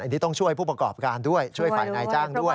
อันนี้ต้องช่วยผู้ประกอบการด้วยช่วยฝ่ายนายจ้างด้วย